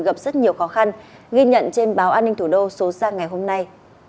gặp rất nhiều khó khăn ghi nhận trên báo an ninh thủ đô số ra ngày hôm nay